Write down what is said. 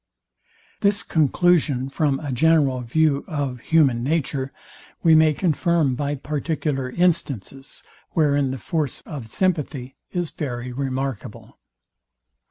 This conclusion from a general view of human nature, we may confirm by particular instances, wherein the force of sympathy is very remarkable.